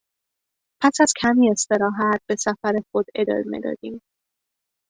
پس از کمی استراحت به سفر خود ادامه دادیم.